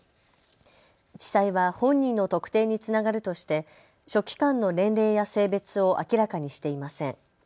地裁は本人の特定につながるとして書記官の年齢や性別を明らかにしていません。